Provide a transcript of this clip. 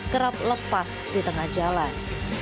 kerap lepas di tengah jalan